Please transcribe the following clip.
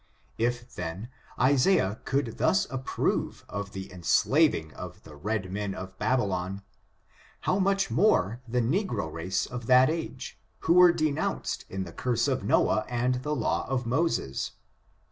If, then, Isaiah could thus approve of the enslaving of the red men of Babylon, how much more the negro race of that age, who were denounced in the curse of Noah and the law of Moses